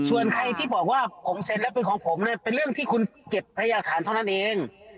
ส่วนใครที่บอกว่าผมเซ็นแล้วเป็นของผมเนี่ยเป็นเรื่องที่คุณเก็บพยาฐานเท่านั้นเอง